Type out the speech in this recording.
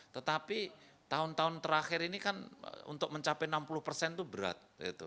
tetapi tahun tahun terakhir ini kan untuk mencapai enam puluh persen itu berat